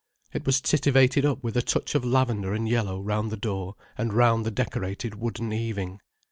It was tittivated up with a touch of lavender and yellow round the door and round the decorated wooden eaving.